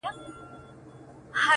• پر لویو غرو د خدای نظر دی,